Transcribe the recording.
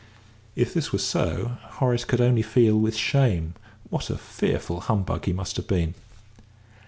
(If this were so, Horace could only feel with shame what a fearful humbug he must have been.)